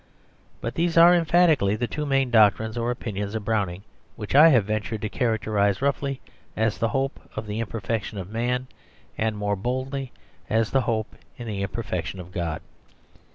But these are emphatically the two main doctrines or opinions of Browning which I have ventured to characterise roughly as the hope in the imperfection of man, and more boldly as the hope in the imperfection of God.